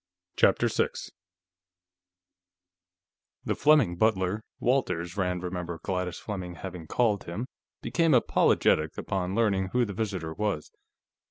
CHAPTER 6 The Fleming butler Walters, Rand remembered Gladys Fleming having called him became apologetic upon learning who the visitor was.